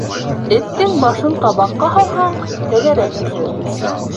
Эттең башын табаҡҡа һалһаң, тәгәрәп төшөр.